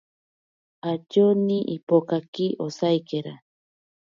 Atyoni impokaki osaikera.